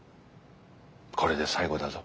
これで最後だぞ。